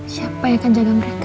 siapa yang akan jaga mereka